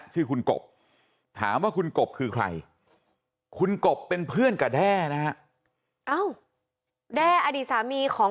ชื่อคุณกบถามว่าคุณกบคือใครคุณกบเป็นเพื่อนกับแด้นะฮะแด้อดีตสามีของ